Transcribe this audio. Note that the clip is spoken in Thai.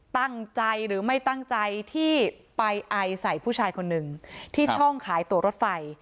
ตั้งใจหรือไม่ตั้งใจที่ไปไอใส่ผู้ชายคนหนึ่งที่ช่องขายตัวรถไฟ